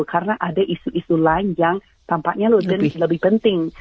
karena ada isu isu lain yang tampaknya lebih penting